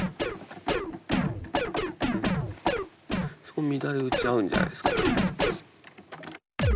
そこ乱れ打ち合うんじゃないですか？